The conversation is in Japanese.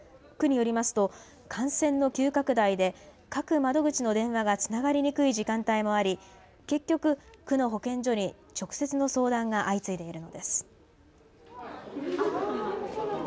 区によりますと感染の急拡大で各窓口の電話がつながりにくい時間帯もあり結局、区の保健所に直接の相談が相次いでいるのです。